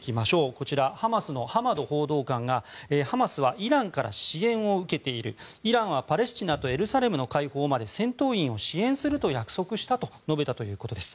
こちら、ハマスのハマド報道官がハマスはイランから支援を受けているイランはパレスチナとエルサレムの解放まで戦闘員を支援すると約束したと述べたということです。